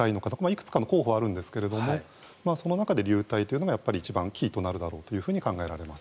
いくつかの候補があるんですがその中で流体というのが一番キーとなるだろうと考えられます。